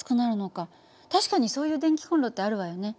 確かにそういう電気コンロってあるわよね。